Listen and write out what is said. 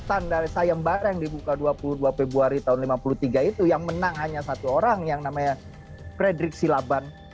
pada februari tahun seribu sembilan ratus lima puluh tiga itu yang menang hanya satu orang yang namanya fredrik silaban